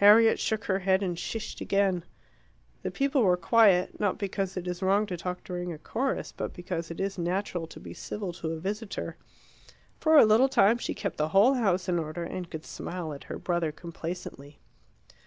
Harriet shook her head and shished again. The people were quiet, not because it is wrong to talk during a chorus, but because it is natural to be civil to a visitor. For a little time she kept the whole house in order, and could smile at her brother complacently.